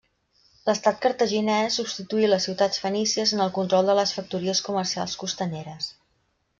L'estat cartaginés substituí les ciutats fenícies en el control de les factories comercials costaneres.